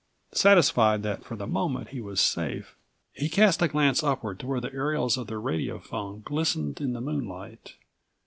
Satisfied that for the moment he was safe, he cast a glance upward to where the aerials of the radiophone glistened in the moonlight.